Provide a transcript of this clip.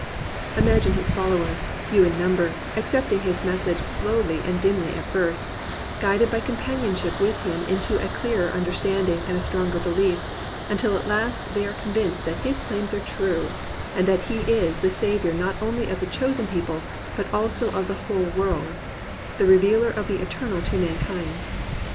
Im agine his followers, few in number, accepting his message slowly and dimly at first, guided by com panionship with him into a clearer understanding and a stronger behef , until at last they are convinced that his claims are true, and that he is the saviour not only of the chosen people, but also of the whole world, the revealer of the Eternal to mankind.